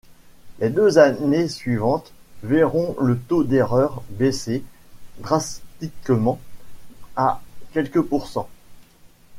Les deux années suivantes verront le taux d'erreur baisser drastiquement à quelques pourcents.